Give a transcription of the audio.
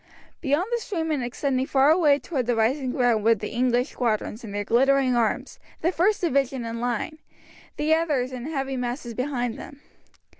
Beyond the stream and extending far away towards the rising ground were the English squadrons in their glittering arms, the first division in line, the others in heavy masses behind them.